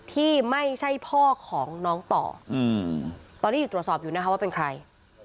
ที่ไม่ใช่พ่อของน้องต่อตอนนี้อยู่ตรวจสอบอยู่นะคะว่าเป็นใคร